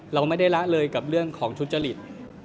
เราไม่ได้ละเลยกับเรื่องของทุจริต